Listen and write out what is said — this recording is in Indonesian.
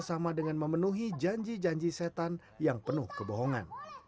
sama dengan memenuhi janji janji setan yang penuh kebohongan